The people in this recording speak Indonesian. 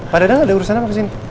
pak dadang ada urusan apa kesini